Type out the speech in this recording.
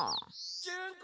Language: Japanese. ・ジュンコ！